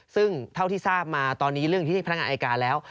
ซึ่งเท่าที่ทราบมาตอนนี้เรื่องอยู่ที่พนักงานอายการแล้ว